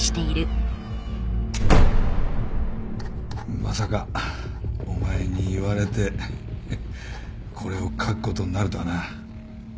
まさかお前に言われてこれを書くことになるとはな。